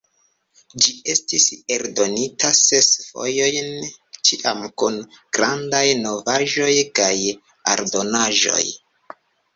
Ĝi estis eldonita ses fojojn, ĉiam kun grandaj novaĵoj kaj aldonaĵoj.